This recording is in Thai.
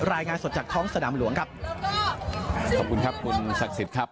รายงานสดจากท้องสนามหลวงครับขอบคุณครับคุณศักดิ์สิทธิ์ครับ